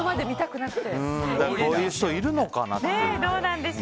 こういう人いるのかなっていう。